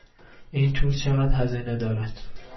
این تور چقدر هزینه دارد؟